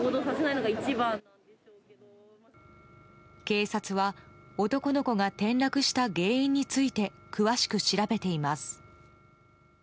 警察は男の子が転落した原因について詳しく調べています。